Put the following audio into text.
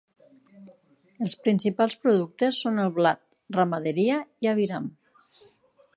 Els principals productes són el blat, ramaderia i aviram.